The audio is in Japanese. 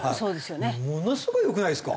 ものすごい良くないですか？